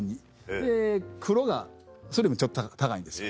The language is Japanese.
で黒がそれよりもちょっと高いんですよ。